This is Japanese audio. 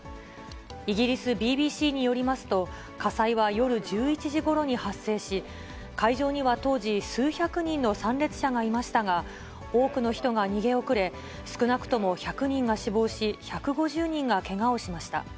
イギリスＢＢＣによりますと、火災は夜１１時ごろに発生し、会場には当時、数百人の参列者がいましたが、多くの人が逃げ遅れ、少なくとも１００人が死亡し、１５０人がけがをしました。